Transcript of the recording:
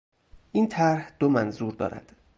این طرح دو منظور دارد.